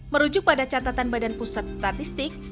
merujuk pada catatan badan pusat statistik